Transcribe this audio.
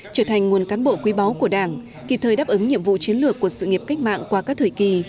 trở thành nguồn cán bộ quý báu của đảng kịp thời đáp ứng nhiệm vụ chiến lược của sự nghiệp cách mạng qua các thời kỳ